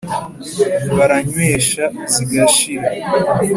Baranywesha zigashira